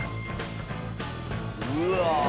うわ。